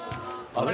「あれ？